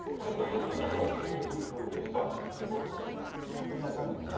壁に当たんねや。